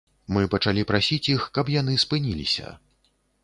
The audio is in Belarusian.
Мы пачалі прасіць іх, каб яны спыніліся.